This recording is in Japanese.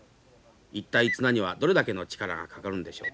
一体綱にはどれだけの力がかかるんでしょうか。